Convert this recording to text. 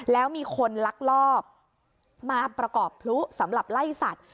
แล้วมีคนลักลอบมาประกอบพลุสำหรับไล่สัตว